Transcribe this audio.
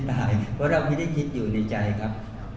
เพราะเราไม่ได้คิดอยู่ในใจครับ